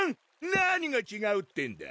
何がちがうってんだ？